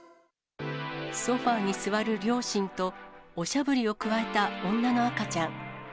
ソファに座る両親と、おしゃぶりをくわえた女の赤ちゃん。